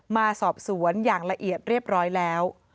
มาสอบสวนอย่างละเอียดเรียบร้อยแล้ว